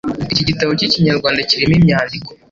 Iki gitabo k'Ikinyarwanda kirimo imyandiko